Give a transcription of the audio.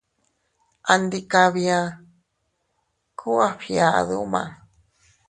Andikabia, kuu a fgiadu ma.